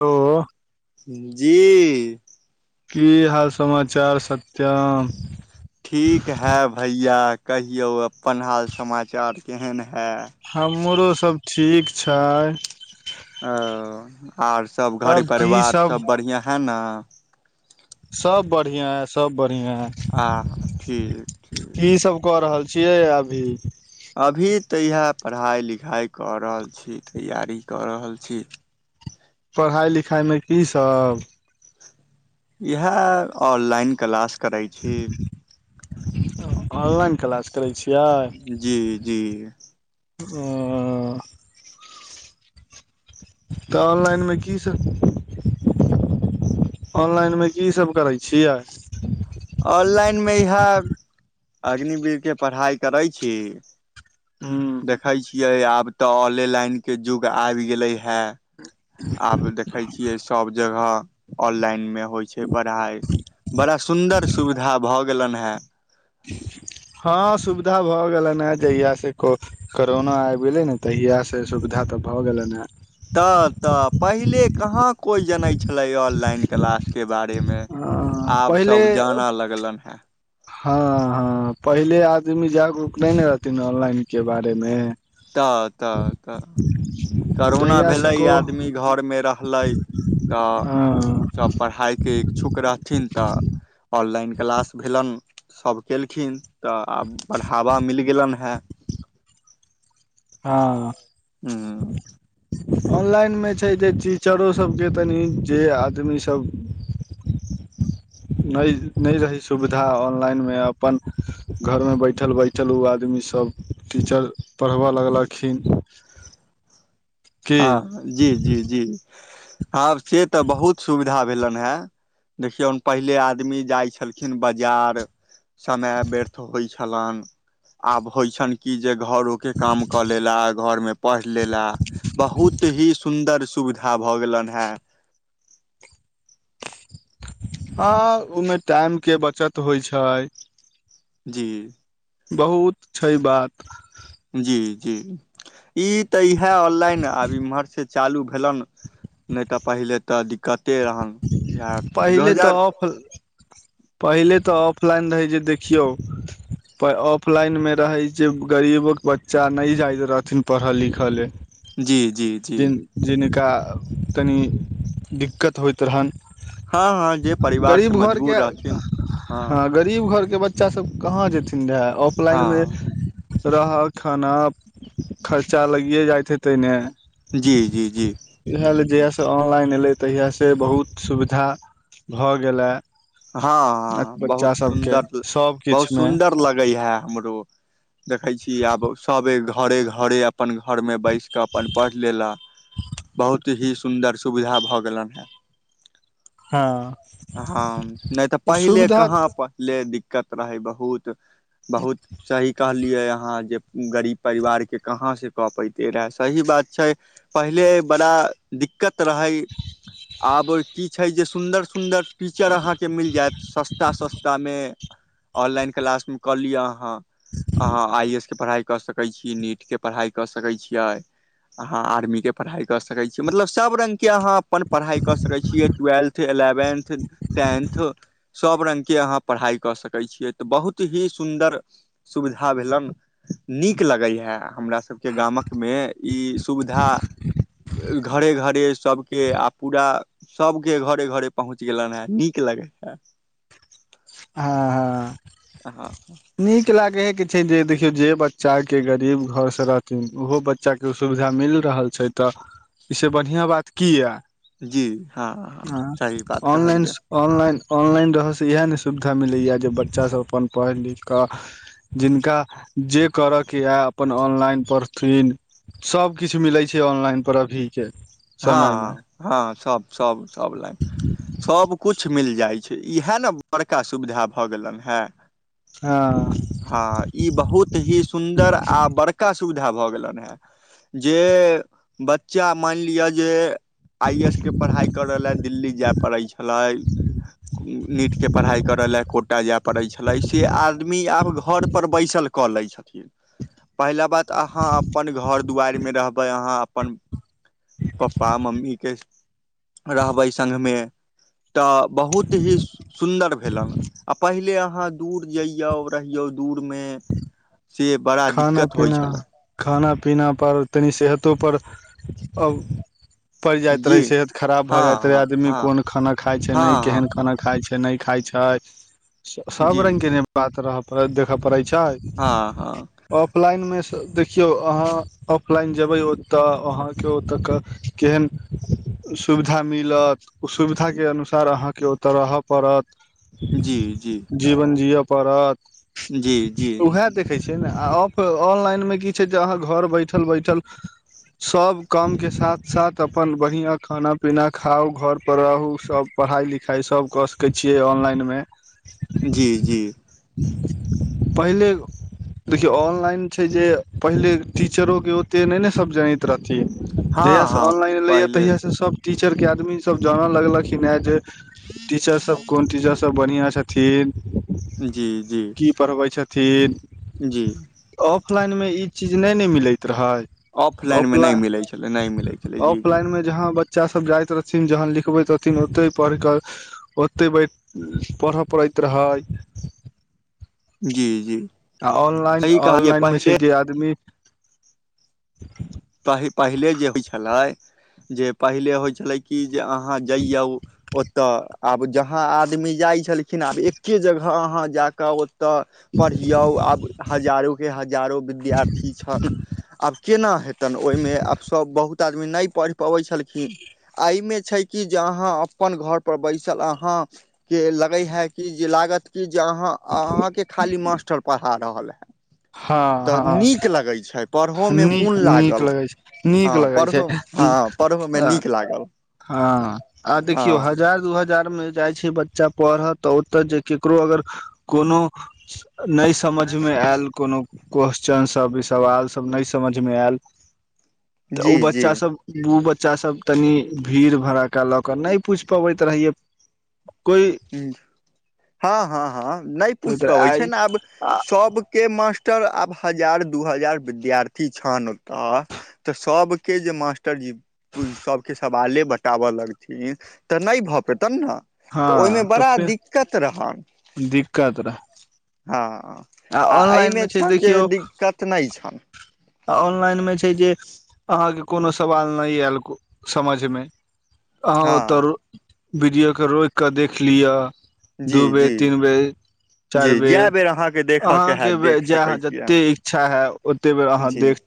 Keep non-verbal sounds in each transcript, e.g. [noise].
तो। जी। की हाल समाचार सत्यम। ठीक है भैया कहियौ अपन हाल समाचार केहन है। हमरो सब ठीक छै। ओ आर सब घरी तब की परिवार सब बढ़िया है नऽ। सब बढ़िआं है सब बढ़िआं है। ठीक ठीक। की सब कऽ रहल छियै अभी। अभी तऽ इहे पढ़ाई लिखाई कऽ रहल छी तैयारी कऽ रहल छी। पढ़ाई लिखाइमे की सब। इहे ऑनलाइन क्लास करै छी। [unintelligible] ऑनलाइन क्लास करै छियै। ओऽ। जी जी तऽ ऑनलाइनमे कीसब। [unintelligible] ऑनलाइनमे की सब करै छियै। ऑनलाइन मे इहे अग्निवीरके पढ़ाई करै छी। हूँ देखै छियै आब तऽ ऑलेलाइनके जुग आबि गेलै है। आब देखै छियै सब जगह ऑललाइनमे। होइ छै पढ़ाई बड़ा सुन्दर सुविधा भऽ गेलनि हेँ। हँ सुविधा भऽ गेलनि हेँ जहियासे को। करोना आबि गेलै नै तहियासे सुविधा तऽ भऽ गेलैनि हेँ। तऽ तऽ पहिले कहाँ कोई जनै छ। छलै ऑनलाइन क्लासके बारेमे हे आब सब पहिले जान लगलन हेँ। हँ हँ पहिले आदमी जागरूक नहि न रहथिन ऑनलाइनके बारेमे। तऽ- तऽ- तऽ। करोना जहिया से भेलै को आदमी घरमे रहलै तऽ। हँ सब पढ़ाई के इच्छुक रहथिन तऽ ऑललाइन क्लास भेलनि। सब केलखिन तऽ आब बढ़ावा मिल गेलन हेँ। हँ। ऑनलाइनमे छै जे टीचरोसभके तनि जे आदमी सब। नइ नइ रहै सुविधा ऑनलाइनमे अपन घरमे बैठल बैठल उ आदमी सब। टीचर पढ़ब लगलखिन। की हँ जी जी जी आब से तऽ बहुत सुविधा। भेलनहेँ देखियौन पहिले आदमी जाइ छलखिन बजार। समय व्यर्थ होइ छलनि। आब होइ छनि की जे, घरोे काम कऽ लेला घरमे पढ़ि लेला। बहुत ही सुन्दर सु सुविधा भऽ गेलनि हैं। हँ उ में टाइम के बचत होइ छै। जी बहुत छै बात। जी-जी ई तऽ इहै ऑनलाइन आब इम्हर से चालू भेलनि, नहि तऽ पहिले तऽ दिक्कते रहनि इएह दू पहिले तऽ हजार ऑफ पहिले तऽ ऑफलाइन रहै जे देखियौ। पै ऑफलाइन मे रहै जे, गरीबक बच्चा नहि जाइत रहथिन पढ़ऽ लिखऽ लेल। जी-जी-जी जिन जिनका कनि दिक्कत होइत रहनि। हँ-हँ जे परिवार से मजबूर रहथिन। हँ रीब घरके बच्चा सब कहाँ जेथिन रैं ऑफलाइनमे हँ रहऽ खाना खर्चा लगिये जाइत हेतै ने। जी-जी-जी। इहै ले जहिया से ऑनलाइन एलै तहिया से बहुत सुविधा भऽ गेलए। हँ-हँ बहुत सुन्दर ल सभ बहुत किछुमे सुंदर लग रैहै हमरो, देखै छी आब सबे घरे-घरे अपन घरमे बैस कऽ अपन पढ़ि लेला, बहुत ही सुन्दर सुविधा भऽ गेलनि हैं। हँ। हँ नहि तऽ पहिले सुविधा कहाँ पहिले दिक्कत रहै बहुत। बहुत। सही कहलियै अहाँ जे गरीब परिवारके कहाँ सँ कऽ पयैते रैं, सही बात छै। पहिले बड़ा दिक्कत रहै आब की छै जे सुन्दर सु सुन्दर टीचर अहाँके मिल जायत सस्ता-सस्तामे। ऑनलाइन क्लासमे कऽ लिअ अहाँ। अहाँ आइ एस के पढ़ाई कऽ सकै छी, नीट के पढ़ाई कऽ सकै छियै। अहाँ आर्मी के पढ़ाई कऽ सकैत छियै, मतलब सब रंगके अहाँ अपन पढ़ाई कऽ सकै छियै, टूवेल्थ एलेव वेन्थ, टेन्थ। सब रंगके अहाँ पढ़ाई कऽ सकै छियै, तऽ बहुत ही सुन्दर। सुविधा भेलन नीक लगै है हमरा। सबके गामकमे ई सुविधा। घरे-घरे सबके आ पूरा सबके घरे-घरे। पहुँच गेलनि हैं, नीक लगैत हैंत। आ हँ-हँ नीक लागै हय के छै जे देखियो जे बच्चा के गरीब घर स रहथिन उहो बच् च्चाके उ सुविधा मिल रहल छै तऽ, ई से बढ़ियाँ बात की याए। जी हँ-हँ सही बात कहलियै। ऑनलाइन-ऑनलाइन रहऽ से इहै ने सुविधा मिलैया जे बच्चा सब अपन पढ़ लिख कऽ जिनका जे करऽ के या अपन ऑनलाइन पढ़थिन। सबकिछ मिलै छै, ऑनलाइन पर अभीके। समयमे हँ-हँ-सब-सब-सब लाइन सब। कुछ मिल जाइत छै, इहै ने बड़का सुविधा भऽ गेलनि हैं। हँ। हँ, ई बहुत ही सुन्दर! आ बड़का सुविधा भऽ गेलनि हैं। जे बच्चा माइन लिय जे, आई ए एस के पढ़ाई करऽ लै दिल्ली जै पड़ै छलै। नीटके पढ़ाई करऽ लै कोटा जै पड़ै छलै, से आदमी आब घर पर बैसल कऽ लै छथिन, पहिला बात अहाँ अपन घर दुआरिमे रहबै, अहाँ अपन पप्पा मम्मी के रहबै संघमे। तऽ बहुत ही सुन्दर भेलन। आ पहिले अहाँ दूर जइयौ, रहियौ दूरमे। से बड़ा खाना- दिक्कत होइ पीना, छलै खाना-पीना पर, तनी सेहतोपर, अब पड़ जाइत जी रहै, सेहत खराब भऽ जाइत हँ रहै, हँ आदमी हँ कोन खाना खाय छै, हँ नै हँ केहन खाना हँ खाय छै, नै खाय छैय। सब जी रंगके जी ने बात रहऽ, पड़ देखऽ पड़ै छै। हँ हँ ऑफलाइनमे सँ देखियौ अहाँ। ऑफलाइन जेबै ओतऽ, अहाँके ओतऽ कऽ केहन सुविधा मिलत। ओ सुविधाके अनुसार, अहाँके ओतऽ रहऽ पड़त। जी-जी। जीवन जिय पड़त। जी! जी! उएह देखै छियै ने, आ ऑ ऑनलाइन मे की छै जे, अहाँ घर बैठल -बैठल सब काम के साथ -साथ अपन बढ़ियां खाना पीना खाउ, घर पर रहू, सब पढ़ाई -लिखाई सब कर सकै छियै, ऑनलाइन मे। जी- जी। पहिले देखियौ ऑनलाइन छै जे, पहिले टीचरोके ओते नहि ने सब जनैत रहथिन। हँ जहिआासँ हँ ऑनलाइन लैए पहिले तहियासँ सभ टीचर के आदमी सब जाने लगलखिन हे जे, टीचर सब कोन टीचर सभ बढ़िआँ छथिन। जी- जी। की पढ़बै छथिन। जी! ऑफलाइनमे ई चीज नहि ने मिलैत रहै। ऑफलाइनमे नहि ऑफलाइन, मिलै छलै नहि मिलै छलै जी जी ऑफलाइनमे जहाँ बच्च बच्चासभ जाइत रहथिन, जहन लिखबैत रहथिन ओतहि पढ़िकऽ ओतेक बैठ पढ़य पड़ैत रहै। जी- जी! आ ऑनलाइन, सही कहलियै ऑनलाइन मे छै पहिले जे आदमी पहि पहिले जे होइ छलै जे, पहिले होइ छलै कि, जे अहाँ जइयौ। ओतय आब जहाँ आदमी जाइत छलखिन, आब एक्के जगह अहाँ जा कऽ ओ तऽ, पढ़ियौ, आब हजारो के हजारो विद्यार्थी छल, आब केना हेतनि, ओहिमे आब सभ बहुत आदमी नहि पढ़ि पबै छलखिन। एहिमे छै कि जे, अहाँ अपन घरपर बैसल अहाँ के लगै है कि जे, लागत कि जे, अहाँ अहाँके खाली मास्टर पढ़ा रहल है। हँ तऽ हँ नीक लगैत छै, पढ़हो मे मोन नीक लाग नीक लगै छै हँ नीक लगै छै पढ़हो हँ पढ़हो मे नीक लागल। हँ आ देखियौ हँ हजार दू हजार मे। जाय छै बच्चा पड़ऽ तऽ ओतऽ जे केकरो अगर कोनो। नै समझ मे एल कोनो। कोस्चन सब ई सवाल सब नै समझमे एल तऽ ओ जी जी बच्चा सब। बू बच्चा सब तनी भीड़ भड़ाका लऽ कऽ नै पूछ पबैत रहियै। कोइ हूँ, हँ, हँ, हँ नै पूछ पाबै छै आइ ने आब सबके मास्। टर आब हजार दू हजार विद्यार्थी छन ओतऽ। तऽ सबके जे मास्टरजी। पू सबके सवाले बताबऽ लगथिन तऽ नै भऽ पेतन नऽ। तऽ ओय मे हँ तऽ बड़ा फेर दिक्कत रहत। दिक्कत रहै हँ आ ऑनलाइन एयमे मे छै छन जे दिक्कत नै छन। आ ऑनलाइन मे छै जे आहाँके कोनो सवाल नै एल समझमे। आहाँ ओतऽ रो हँ वीडियोके रोइक कऽ देख लिअ। जी दू बेर जी तीन बेर। चैर जी बेर जए अहाँके देखयके आहाँके हैत बे देख जेय सकैत छियै अहाँ जेतेए इच्छा हे ओते बेर आहाँ जी देख।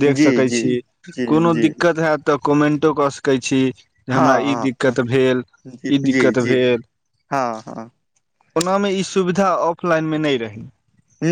देख जी सकै जी छी जी कोनो जी दिक्कत हेएत तऽ कमेन्टो कऽ सकै छी। जे हमरा ई हँ हँ दिक्कत भेल जी ई जी दिक्कत जी भेल। हँ, हँ। ओनामे ई सुविधा अप। लाइन मे नै रही।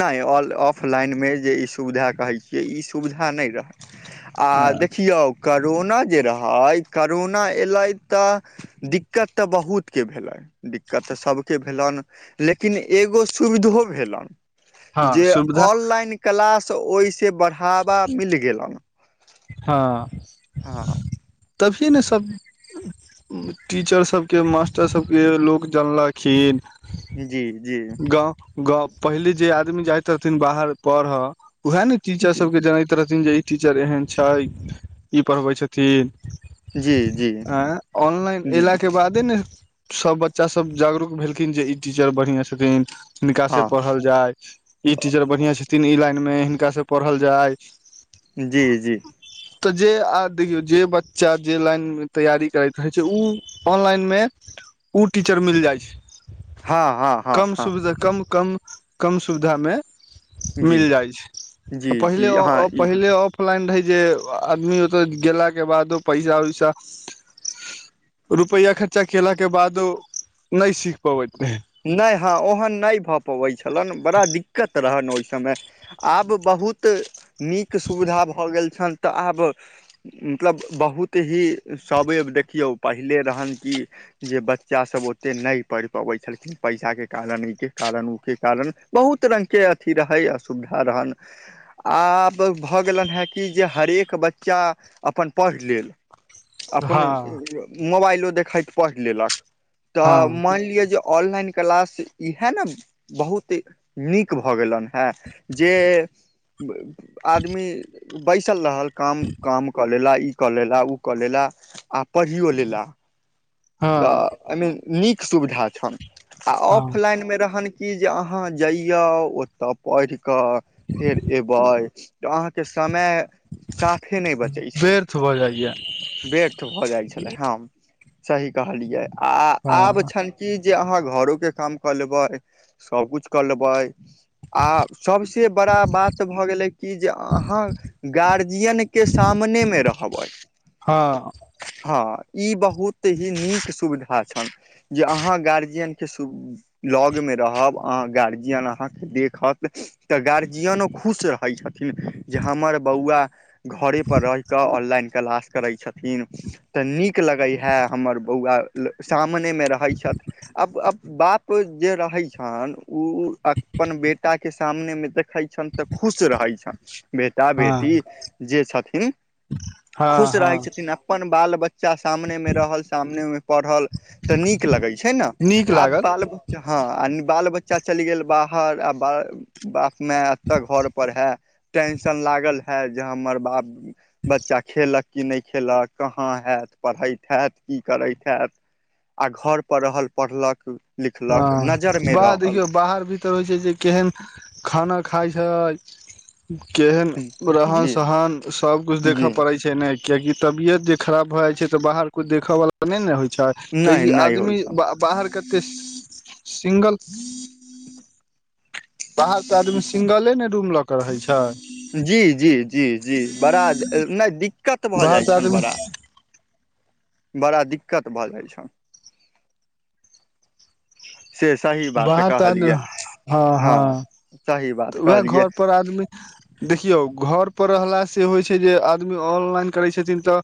नै ऑफलाइन मे जे ई सुविधा कहै छियै ई सुविधा नै रहैय। आ देखियौ करोना जे रहै करोना एलै तऽ। दिक्कत तऽ बहुत के भेलै दिक्कत तऽ सबके भेलन लेकिन एगो। सुविधो भेलन हँ जे सुविधा ऑनलाइन। क्लास ओहिसे बढ़ावा मिल गेलन। हँ। हँ। तभिये ने सब- टीचर सबके मास्टर सबके लोक जनलखिन। जी, जी। गाँव, गाँव पहले जे आदमी जाइत रहथिन बाहर पढ़ऽ उएहे ने - टीचर जी सबके जनैत रहथिन जे ई टीचर एहन छै ई पढ़बै छथिन। जी जी एँ ऑनलाइन एला जी के बाद। तेै ने सब बच्चा सब जागरूक भेलखिन जे ई टीचर बढ़िया छथिन हिनका से हँ पढ़ल। जाय ई टीचर बढ़िया छथिन ई लाइन मे हिनका से पढ़ल जाय। जी, जी तऽ जे आ देखियौ जे बच्चा जे लाइन मे तैयारी करैत रहै छै उ। ऑनलाइनमे उ टीचर मिल जाय छै। हँ हँ हँ कम हँ सुविधा कम, कम, कम सुविधा मे- जी मिल जाय छै जी पहिले जी हँ ई -पहिले ऑफलाइन रहै जे- [unintelligible] आदमी ओतऽ गेला के बादो पैसा उैसा। रुपैया खर्चा केला के बादो नै सीख पबैत रहेै। नैय हँ ओहन नैय भऽ पबै छेलैन बड़ा दिक्कत। रहन ओय समय आब बहुत नीक सुविधा भऽ गेल छन। तऽ आब मतलब बहुत ही सवैव देखियौ पहिले रहनि कि जे बच्चा सब ओते न पढ़ पबैय छलखिन पैसाके कारण इ के कारण ऊ के कारण बहुत रंग के अथी रहै असुविधा रहनि। आब भऽ गेलनि हेँ कि जे हरेक बच्चा अपन पढ़ि लेल। अपन हँ मोबाइलो देखैत पढ़ि लेलक हँ त माइन लियऽ ऑनलाइन क्लास इहा ने बहुत नीक भऽ गेलनि। ह जे आदमी बैसल रहल काम काम कऽ लेला ई कऽ लेला ओ कऽ लेला। आ पढ़ियो लेला हँ तऽ एहिमे नीक सुविधा छनि। आ हँ ऑफलाइन मे रहन कि जे अहाँ जइया ओतऽ पढ़ि कऽ फेर एबैय तऽ अहाँके समय साफे नहि बचै छलै व्यर्थ भऽ जाइया व्यर्थ भऽ जाइ छलै हम सही कहलियै आ आब हँ छनि कि जे अहाँ घरो के काम क लेबैय सबकुछ क लेबैय। आ सबसे बड़ा बात भऽ गेलै कि जे अहाँ गार्जियनक के सामने मे रहबय। हँ। हँ ई बहुत ही नीक सुविधा छनि जे अहाँ गार्जियन के सु लऽग मे रहब अहा गार्जियन अहाँके देखत। तऽ गार्जियनो खुश रहै छथिन जे हमर बौआ घरे पर रहि कऽ ऑनलाइन क्लास करै छथिन। तऽ नीक लगै है हमर बौआ सामनेमे रहैय छथि आब आब बाप जे रहै छनि उ अपन बेटाके सामनेमे देखै छनि तऽ खुश रहै छन। बेटा बेटी हँ जे छथिन हँ खुश रहै हँ छथिन अप अपन बाल बच्चा सामने में रहल सामने में पढ़ल ते नीक लगे छै ने नीक आब लागल बाल बच्चा हँ आ बाल बच्चा चइल गेल बाहर आ ब बाप माय एतऽ घर पर है टेंशन लागल है जे हमर बाप बच्चा खेलक की नहि खेलक कहाँ हैत पढ़ैत हैत की करैत हैत। आ घरपर रहल पढ़लक लिखलक नजर हँ मे बाह रहल देखियौ बाहर भीतर होइ छै जे केहन खाना खाइ छै। केहन रहन जी सहन सब कुछ देखऽ जी पड़े छै। छै ने कियकि तबियत जे खराब भए जाइ छै तऽ बाहर कुछ देखऽ बला नइ ने होइ छै। नहि कहियो नहि होइ आदमी ब छनि बाहर कतेऽ सिंगल बाहर त आदमी सिंगले ने रूम लऽ क रहैत छै। जी जी जी जी बड़ा नहि दिक्कत भऽ बाहर जाइ तऽ छनि आदमी बड़ा। बड़ा दिक्कत भऽ जाइ छन। से सही बात बाहर कहलियै त [unintelligible] हँ हँ सही तऽ बात वैह कहलियै घर पर आदमी देखियौ घर पर रहलासँ होइ छै जे आदमी ऑनलाइन करैत छथिन तऽ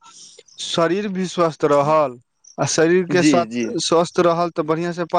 शरीर भी स्वस्थ रहल आ शरीर के जी साथ जी स्वस्थ रहल तऽ बढ़िआँ से प